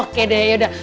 oke deh yaudah